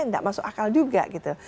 tidak masuk akal juga gitu